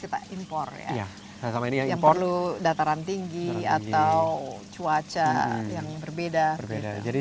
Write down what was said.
kita impor ya sama ini yang perlu dataran tinggi atau cuaca yang berbeda gitu jadi